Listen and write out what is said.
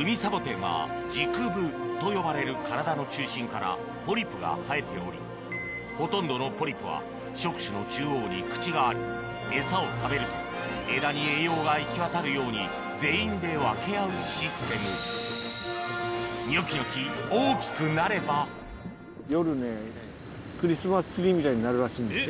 ウミサボテンは軸部と呼ばれる体の中心からポリプが生えておりほとんどのポリプは触手の中央に口がありエサを食べると枝に栄養が行き渡るように全員で分け合うシステムニョキニョキ大きくなればらしいんですよ。